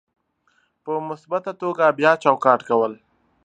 په مثبته توګه بیا چوکاټ کول: